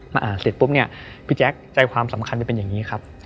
อ่านเสร็จปุ๊บเนี่ยพี่แจ๊คใจความสำคัญจะเป็นอย่างนี้ครับ